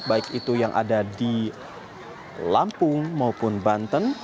baik itu yang ada di lampung maupun banten